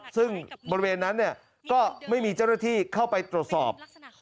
ซึ่งบริเวณนั้นก็ไม่มีเจ้าหน้าที่เข้าไปตรวจสอบ